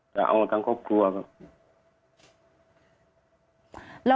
จะเอาทั้งครอบครัวครับ